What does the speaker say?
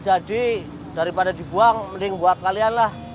jadi daripada dibuang mending buat kalian lah